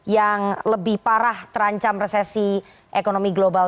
yang lebih parah terancam resesi ekonomi global